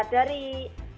dari kpai menghimbau kepada